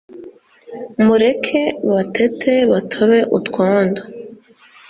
mureke batete batobe utwondo